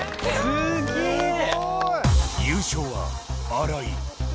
優勝は荒井。